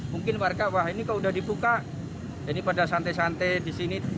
mungkin warga wah ini kalau sudah dibuka ini pada santai santai di sini